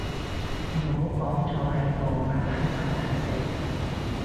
唔好講坐喺度慢慢炒蛋食